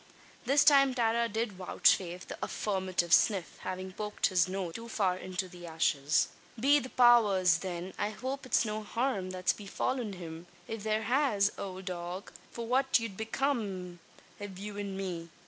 This time Tara did vouchsafe the affirmative "sniff" having poked his nose too far into the ashes. "Be the powers! then, I hope it's no harum that's befallen him! If there has, owld dog, fwhat 'ud become av you an me?